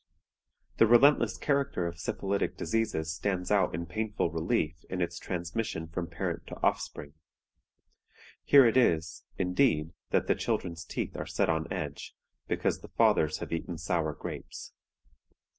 "The relentless character of syphilitic diseases stands out in painful relief in its transmission from parent to offspring. Here it is, indeed, that the children's teeth are set on edge, because the fathers have eaten sour grapes.